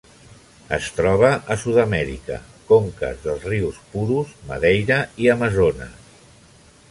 Es troba a Sud-amèrica: conques dels rius Purus, Madeira i Amazones.